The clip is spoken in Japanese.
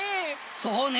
そうね。